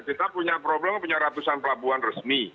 kita punya problem punya ratusan pelabuhan resmi